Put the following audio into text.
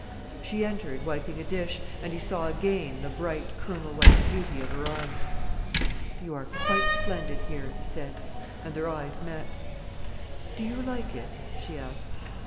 She entered, wiping a dish, and he saw again the bright, kernel white beauty of her arms. "You are quite splendid here," he said, and their eyes met. "Do you like it?" she asked.